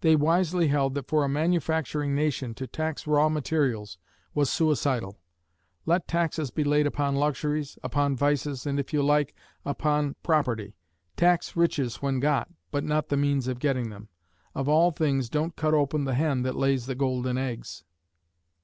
They wisely held that for a manufacturing nation "to tax raw materials was suicidal: let taxes be laid upon luxuries, upon vices, and, if you like, upon property; tax riches when got, but not the means of getting them. Of all things don't cut open the hen that lays the golden eggs."